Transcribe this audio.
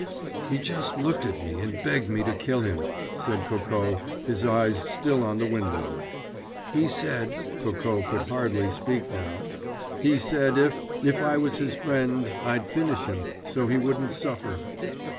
"He just looked at me and begged me to kill him," said Coco, his eyes still on the window. "He said"—Coco could hardly speak now—"he said if—I was his friend—I'd finish him—so he wouldn't suffer.